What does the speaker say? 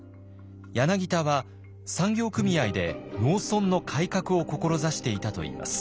柳田は産業組合で農村の改革を志していたといいます。